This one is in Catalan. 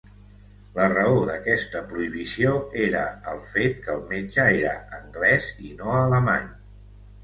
La raó d'aquesta prohibició era el fet que el metge era anglès i no alemany.